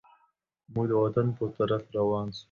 موږ د وطن پر طرف روان سوو.